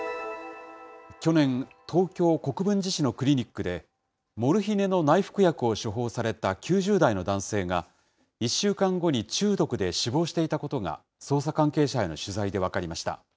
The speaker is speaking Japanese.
去年、東京・国分寺市のクリニックで、モルヒネの内服薬を処方された９０代の男性が、１週間後に中毒で死亡していたことが、捜査関係者への取材で分かりました。